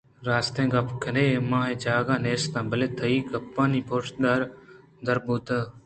راستیں گپ کنئے من ءَ جاگہ نیست بلئے تئی گپانی پُشدر پدّربوت